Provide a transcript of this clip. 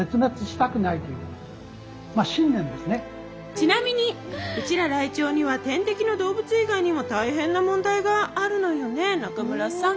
ちなみにうちらライチョウには天敵の動物以外にも大変な問題があるのよね中村さん。